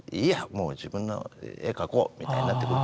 もう自分の絵描こう」みたいになってくる。